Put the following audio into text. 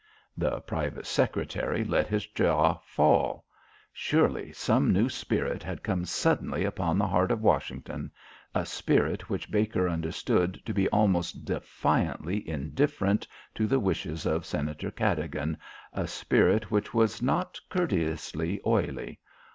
The private secretary let his jaw fall. Surely some new spirit had come suddenly upon the heart of Washington a spirit which Baker understood to be almost defiantly indifferent to the wishes of Senator Cadogan, a spirit which was not courteously oily.